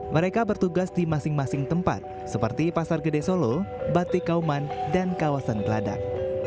mereka bertugas di masing masing tempat seperti pasar gede solo batik kauman dan kawasan geladak